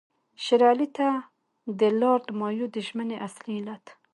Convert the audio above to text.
شېر علي ته د لارډ مایو د ژمنې اصلي علت.